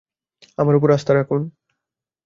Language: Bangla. আমার উপর আস্থা রাখুন!